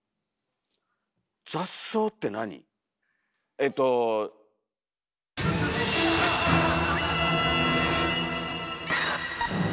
えっとー。